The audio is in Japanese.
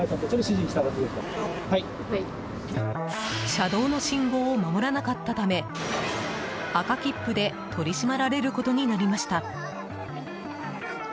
車道の信号を守らなかったため赤切符で取り締まられることになりました。